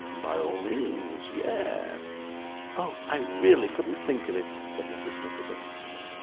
'By all means. Ye es.' 'Oh! I really couldn't think of it!' said Mrs. Nickleby.